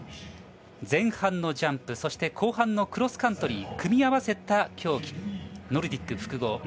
前半のジャンプそして後半のクロスカントリーを組み合わせた競技ノルディック複合。